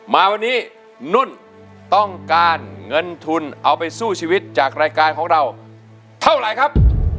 มาวันนี้นุ่นต้องการเงินทุนเอาไปสู้ชีวิตจากรายการของเราเท่าไหร่ครับ